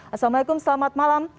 assalamualaikum selamat malam